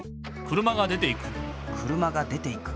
車が出ていく。